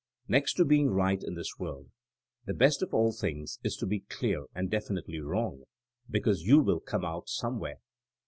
Next to being right in this world, the best of all things is to be clearly and definitely wrong, because you will come out somewhere.